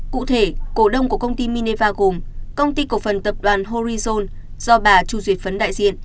cụ thể cổ đông của công ty mineva gồm công ty cổ phần tập đoàn horizon do bà chu duy phấn đại diện